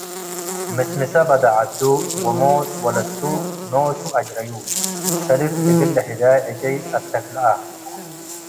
ምስምሰ በዳ ዐዱ ወሞት ወለቱ ኖሱ አጅረዩ፤ ሰልፍ እግል ለህዳይ ዕጨይ አተክልአ።